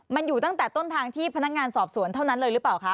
มันอยู่ตั้งแต่ต้นทางที่พนักงานสอบสวนเท่านั้นเลยหรือเปล่าคะ